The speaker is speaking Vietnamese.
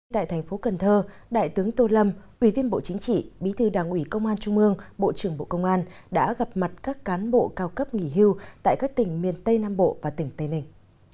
tại thành phố cần thơ đại tướng tô lâm ủy viên bộ chính trị bí thư đảng ủy công an trung mương bộ trưởng bộ công an đã gặp mặt các cán bộ cao cấp nghỉ hưu tại các tỉnh miền tây nam bộ và tỉnh tây ninh